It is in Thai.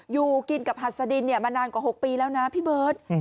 อยู่กินกับหัสดินมานานกว่า๖ปีแล้วนะพี่เบิร์ต